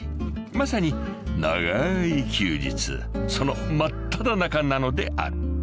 ［まさに長い休日その真っただ中なのである］